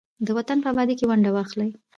د وطن په ابادۍ کې ونډه واخلئ.